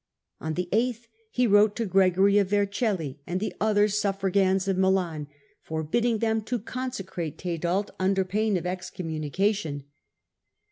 On the 8th he wrote to Gregory of Vercelli and the other suffragans of Milan, forbidding them to consecrate Tedald under pain of excommuni cation.